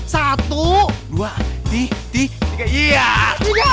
satu dua tih tih tiga iya tiga